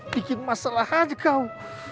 bikin masalah aja kau